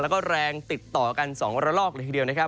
แล้วก็แรงติดต่อกัน๒ระลอกเลยทีเดียวนะครับ